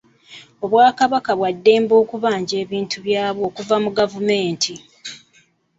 Obwakabaka bwa ddembe okubanja ebintu byabwo okuva mu gavumenti.